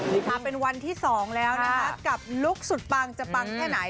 มาเป็นวันที่๒แล้วนะคะกับลุคสุดปังจะปังแค่ไหน